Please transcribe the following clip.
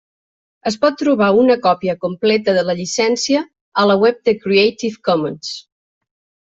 Es pot trobar una còpia completa de la llicència a la web de Creative Commons.